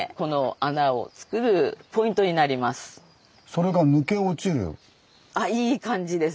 これあいい感じです。